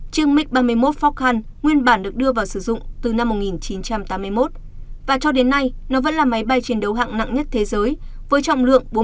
chiếc mig ba mươi một falkland nguyên bản được đưa vào sử dụng từ năm một nghìn chín trăm tám mươi một và cho đến nay nó vẫn là máy bay chiến đấu hạng nặng nhất thế giới với trọng lượng bốn mươi một kg